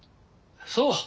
そう。